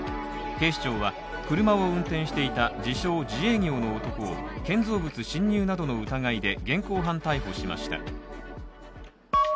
警視庁は車を運転していた自称・自営業の男を建造物侵入などの疑いで現行犯逮捕しました。